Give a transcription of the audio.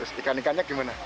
terus ikan ikannya gimana